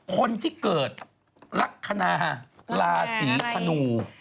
คนที่เกิดลักษณะราศีธนู